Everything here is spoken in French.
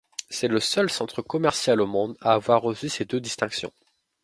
C'est le seul centre commercial au monde à avoir reçu ces deux distinctions.